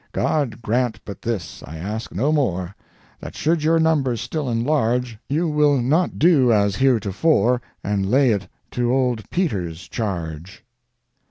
God grant but this, I ask no more, That should your numbers still enlarge, You will not do as heretofore, And lay it to old Peter's charge.